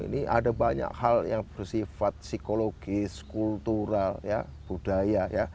ini ada banyak hal yang bersifat psikologis kultural budaya